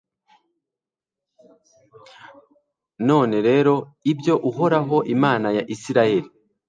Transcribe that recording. none rero, ibyo uhoraho, imana ya israheli